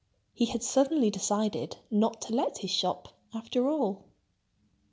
He had suddenly decided not to let his shop, after all.